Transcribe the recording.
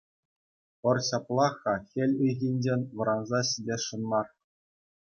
Пӑр ҫаплах-ха хӗл ыйхинчен вӑранса ҫитесшӗн мар.